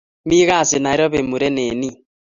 Mi gasi Nairopi murenet nin.